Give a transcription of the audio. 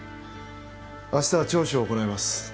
明日は聴取を行います